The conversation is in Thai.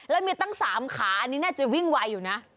แล้วมีตั้ง๓ขาอันนี้น่าจะวิ่งไวอยู่นะ